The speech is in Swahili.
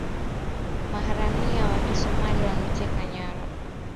maharamia wa kisomalia wameteka nyara